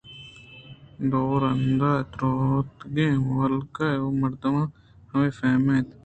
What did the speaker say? دو رندءَ درٛوہتگیں ہلک ءِ مردماں ہمے فہم اِت